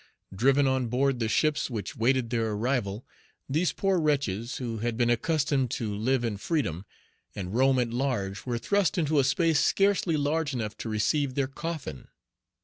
Driven on board the ships which waited their arrival, these poor wretches, who had been accustomed to live in freedom, and roam at large, were thrust into a space scarcely large enough to receive their coffin.